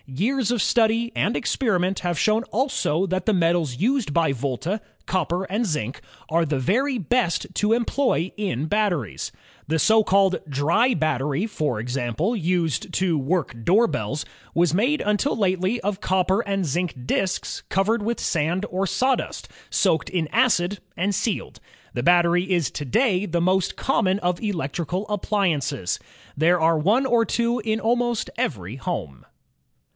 Years of study and experiment have shown also that the metals used by Volta, copper and zinc, are the very best to employ in batteries. The so called "dry battery," for example, used to work door bells, was made until lately of copper and zinc disks cov ered with sand or sawdust, soaked in acid and sealed. The battery is tonday the most common of electrical ap pliances. There are one or two in almost every home.